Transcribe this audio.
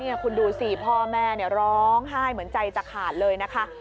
นี่คุณดูสิพ่อแม่ร้องไห้เหมือนใจจะขาดเลยนะคะ